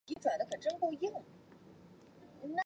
该物种的模式产地在四川。